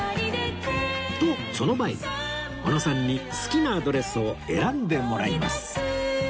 とその前におのさんに好きなドレスを選んでもらいます